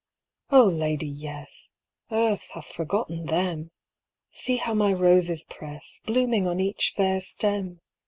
" O, lady, yes ! Earth hath forgotten them ; See how my roses press, Blooming on each fair stem